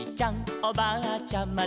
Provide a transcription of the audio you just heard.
おばあちゃんまで」